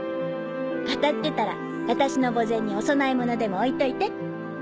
当たってたら私の墓前にお供え物でも置いといて。